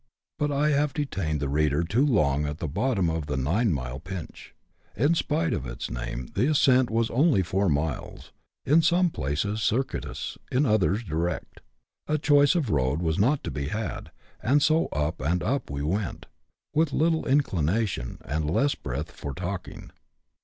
But I have detained the reader too long at the bottom of the Nine Mile Pinch. In spite of its name, the ascent was only four miles, in some places circuitous, in others direct. A choice of road was not to be had, and so up and up we went, with little inclination, and less breath, for talking.